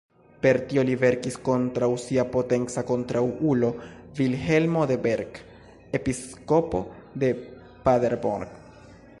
Per tio li venkis kontraŭ sia potenca kontraŭulo Vilhelmo de Berg, episkopo de Paderborn.